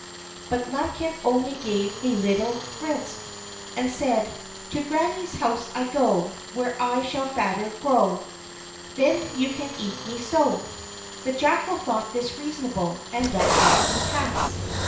But Lambikin only gave a little frisk, and said: "To granny's house I go, Where I shall fatter grow, Then you can eat me so." The jackal thought this reasonable, and let Lambikin pass.